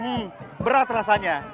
hmm berat rasanya